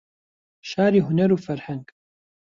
شاری هونەر و فەرهەنگ